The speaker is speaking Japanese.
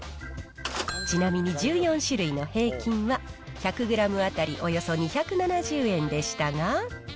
ちなみに１４種類の平均は、１００グラム当たりおよそ２７０円でしたが。